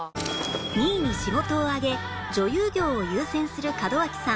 ２位に仕事を挙げ女優業を優先する門脇さん